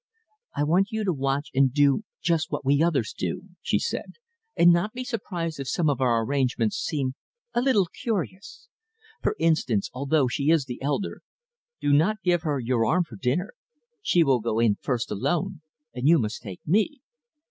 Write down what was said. "I want you to watch and do just what we others do," she said, "and not to be surprised if some of our arrangements seem a little curious. For instance, although she is the elder, do not give her your arm for dinner. She will go in first alone, and you must take me."